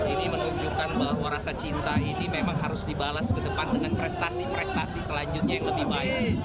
ini menunjukkan bahwa rasa cinta ini memang harus dibalas ke depan dengan prestasi prestasi selanjutnya yang lebih baik